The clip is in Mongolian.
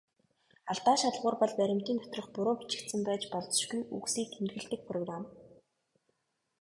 Алдаа шалгуур бол баримтын доторх буруу бичигдсэн байж болзошгүй үгсийг тэмдэглэдэг программ.